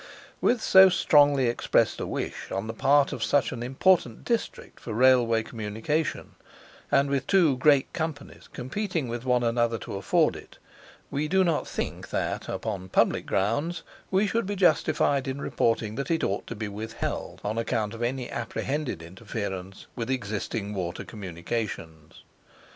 With so strongly expressed a wish on the part of such an important district for Railway communication, and with two great Companies competing with one another to afford it, we do not think that, upon public grounds, we should be justified in reporting that it ought to be withheld on account of any apprehended interference with existing water communications.